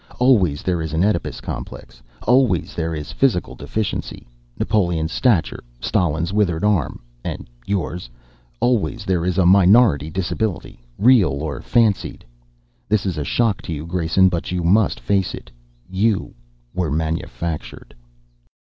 Always there is an Oedipus complex. Always there is physical deficiency. Napoleon's stature. Stalin's withered arm and yours. Always there is a minority disability, real or fancied. "This is a shock to you, Grayson, but you must face it. _You were manufactured.